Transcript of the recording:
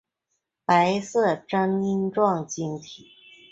白色针状晶体。